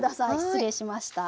失礼しました。